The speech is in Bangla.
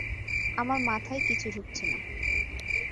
আমার মাথায় কিছু ঢুকছে না!